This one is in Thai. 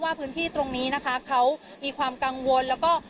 พื้นที่ตรงนี้นะคะเขามีความกังวลแล้วก็